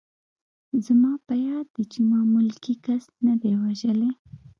زما په یاد دي چې ما ملکي کس نه دی وژلی